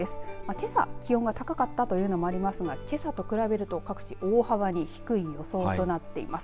けさ気温が高かったというのもありますが、けさと比べると各地、大幅に低い予想となっています。